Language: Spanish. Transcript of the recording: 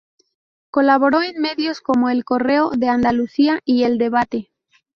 Colaboró en medios como "El Correo de Andalucía" y "El Debate".